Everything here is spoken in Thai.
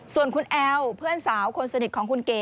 ส่วนคุณแอลเพื่อนสาวคนสนิทของคุณเก๋